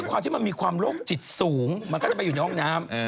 ความที่มันมีความโรคจิตสูงมันก็จะไปอยู่ในห้องน้ำ